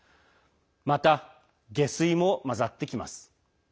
また下水も混ざってきます。